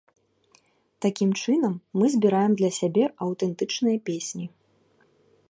Такім чынам мы збіраем для сябе аўтэнтычныя песні.